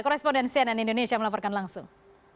koresponden cnn indonesia melaporkan langsung